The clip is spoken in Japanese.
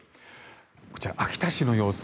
こちら、秋田市の様子。